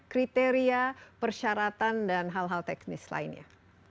kriteria persyaratan dan hal hal teknis lainnya